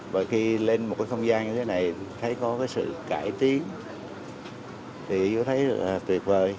và khi lên một cái không gian như thế này thấy có cái sự cải tiến thì tôi thấy là tuyệt vời